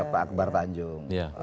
pak akbar tanjung